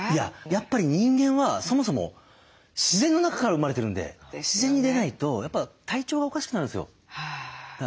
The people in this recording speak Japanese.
やっぱり人間はそもそも自然の中から生まれてるんで自然に出ないとやっぱ体調がおかしくなるんですよ。